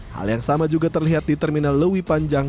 hal yang sama juga terlihat di terminal lewi panjang